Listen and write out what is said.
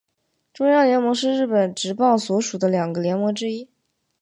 中央联盟是日本职棒所属的两个联盟之一。